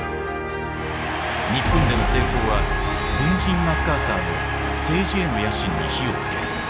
日本での成功は軍人マッカーサーの政治への野心に火をつける。